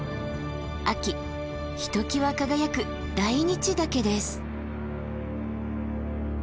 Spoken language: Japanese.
秋ひときわ輝く大日岳です。